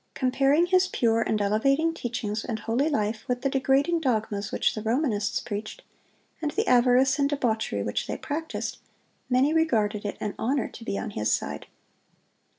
Comparing his pure and elevating teachings and holy life with the degrading dogmas which the Romanists preached, and the avarice and debauchery which they practised, many regarded it an honor to be on his side.